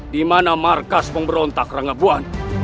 di mana markas pemberontak rangebuan